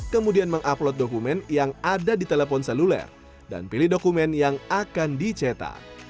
kemudian mengupload dokumen yang ada di telepon seluler dan pilih dokumen yang akan dicetak